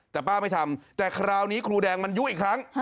แต่ป้าไม่ทำแต่คราวนี้ครูแดงมันยุ่อีกครั้ง